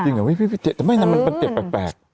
จริงหรอพี่สัมภาษณ์ที่เจ็บแตรกแตรกแตรก